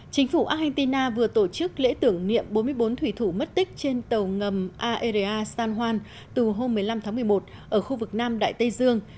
chính phủ argentina vừa tổ chức lễ tưởng niệm bốn mươi bốn thủy thủ mất tích trên tàu ngầm area stanwan từ hôm một mươi năm tháng một mươi một ở khu vực nam đại tây dương